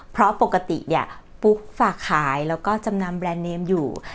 เพราะปกติเนี่ยปุ๊กฝากขายแล้วก็จำนำแบรนด์เนมอยู่